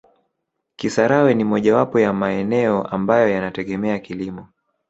Kisarawe ni mojawapo ya maeneo ambayo yanategemea kilimo